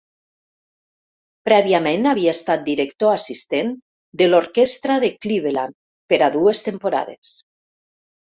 Prèviament havia estat Director Assistent de l'Orquestra de Cleveland per a dues temporades.